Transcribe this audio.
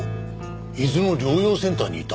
伊豆の療養センターにいた。